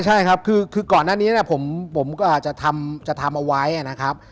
ใช่ครับคือก่อนหน้านี้ผมก็อาจจะทำเอาไว้นะครับ